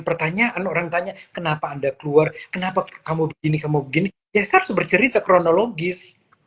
pertanyaan orang tanya kenapa anda keluar kenapa kamu ini kamu begini ya sebercerita kronologis